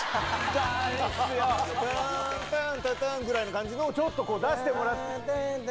たんたんたたんぐらいの感じの、ちょっとこう出してもらって。